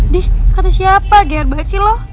dih kata siapa gerbasi lo